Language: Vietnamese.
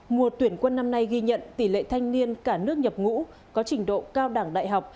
mùa tuyển quân năm nay ghi nhận tỷ lệ thanh niên cả nước nhập ngũ có trình độ cao đẳng đại học